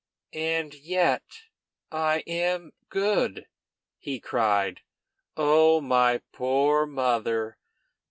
"And yet, I am good!" he cried. "Oh, my poor mother!